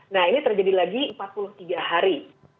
nah ini terjadi lagi empat puluh tiga hari